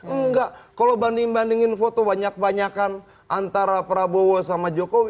enggak kalau banding bandingin foto banyak banyakan antara prabowo sama jokowi